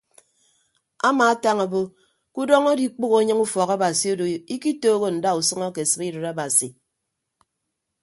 Amaatañ obo ke udọñ adikpʌghọ anyịñ ufọk abasi odo ikitooho ndausʌñ ake sibidịt abasi.